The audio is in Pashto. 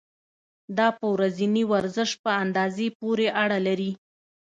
دا په ورځني ورزش په اندازې پورې اړه لري.